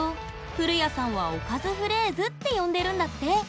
古谷さんは「おかずフレーズ」って呼んでるんだって！